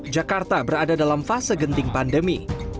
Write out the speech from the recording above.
jakarta berada dalam fase genting pandemi